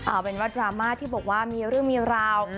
เอาเป็นว่าดราม่าที่บอกว่ามีเรื่องมีราว